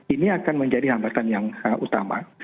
ini akan menjadi hambatan yang utama